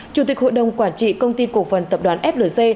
chủ tịch hội đồng quản trị công ty cổ phần tập đoàn flc